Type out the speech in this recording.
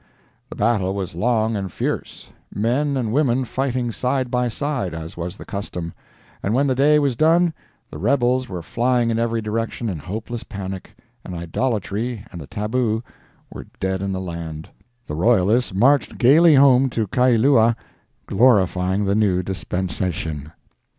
The battle was long and fierce—men and women fighting side by side, as was the custom—and when the day was done the rebels were flying in every direction in hopeless panic, and idolatry and the tabu were dead in the land! The royalists marched gayly home to Kailua glorifying the new dispensation.